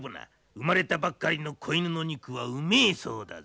生まれたばっかりの子犬の肉はうめえそうだぜ。